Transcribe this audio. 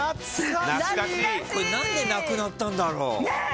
これ何でなくなったんだろう？ねえ！